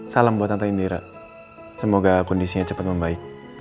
salam buat anta indira semoga kondisinya cepat membaik